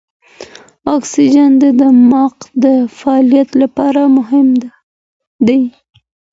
اکسیجن د دماغ د فعالیت لپاره مهم دی.